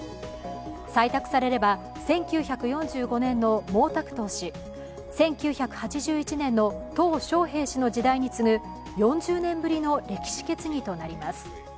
採択されれば１９４５年の毛沢東氏、１９８１年のトウ小平氏の時代に次ぐ、４０年ぶりの歴史決議となります。